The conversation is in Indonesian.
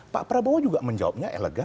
pak prabowo juga menjawabnya elegan